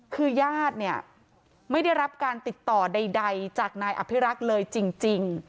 คือญาติเนี่ยไม่ได้รับการติดต่อใดจากนายอภิรักษ์เลยจริง